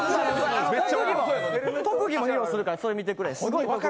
特技披露するから見てくれ。